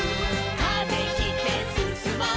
「風切ってすすもう」